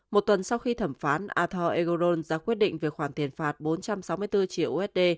một tuần sau khi thẩm phán ather egoron ra quyết định về khoản tiền phạt bốn trăm sáu mươi bốn triệu usd